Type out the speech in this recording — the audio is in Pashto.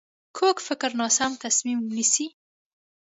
کوږ فکر ناسم تصمیم نیسي